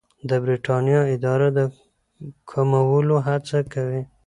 د بریتانیا اداره د کمولو هڅه کوي.